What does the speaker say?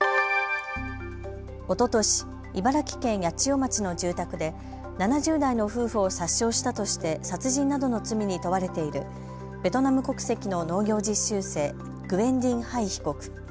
おととし、茨城県八千代町の住宅で７０代の夫婦を殺傷したとして殺人などの罪に問われているベトナム国籍の農業実習生、グエン・ディン・ハイ被告。